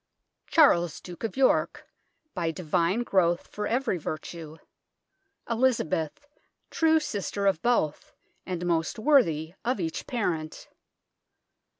Charles Duke of York, by Divine growth for every virtue. Elizabeth true sister of both, and most worthy of each parent.